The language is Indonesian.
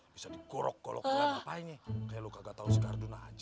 bisa dikurok kulok kulok apaan ini kayak lo kagak tau sekar duna aja